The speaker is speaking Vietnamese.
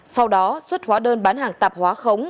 sau đó xuất hóa đơn bán hàng tạp hóa khống